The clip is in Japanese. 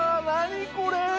何これ？